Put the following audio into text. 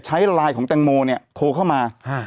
ใช้ไลน์ของแตงโมเนี่ยโทรเข้ามา